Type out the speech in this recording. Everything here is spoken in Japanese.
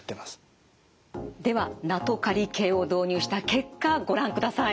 ではナトカリ計を導入した結果ご覧ください。